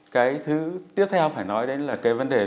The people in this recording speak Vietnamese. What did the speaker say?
cái thứ tiếp theo phải nói đến là cái vấn đề đó là